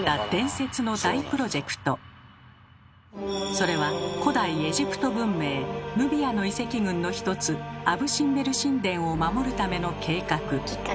それは古代エジプト文明ヌビアの遺跡群の一つアブ・シンベル神殿を守るための計画。